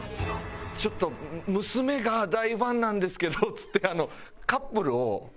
ちょっと「娘が大ファンなんですけど」っつってカップルを。